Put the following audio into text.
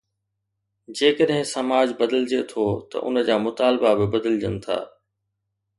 جيڪڏهن سماج بدلجي ٿو ته ان جا مطالبا به بدلجن ٿا.